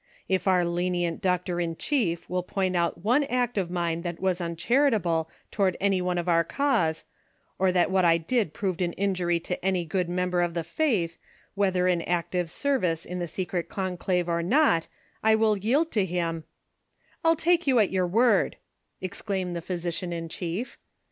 If our lenient doctor in chief wili point out one act of mine that was uncharitable toward any one of our cause, or that what I did proved an injury to any good member of the faith, whether in active service in the secret conclave or not, I will yield to him "— "I'll take you at j'our word," exclaimed the physician in chief.